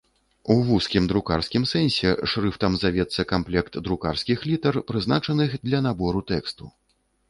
У вузкім друкарскім сэнсе шрыфтам завецца камплект друкарскіх літар, прызначаных для набору тэксту.